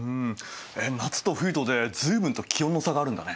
夏と冬とで随分と気温の差があるんだね。